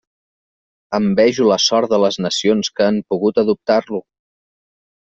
Envejo la sort de les nacions que han pogut adoptar-lo.